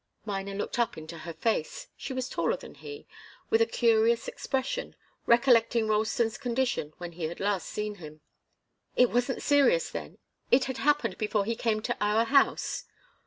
Miner looked up into her face she was taller than he with a curious expression recollecting Ralston's condition when he had last seen him. "It wasn't serious, then? It had happened before he came to our house?"